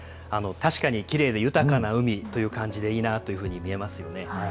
確かにきれいで豊かな海という感じでいいなというふうに見えますよね。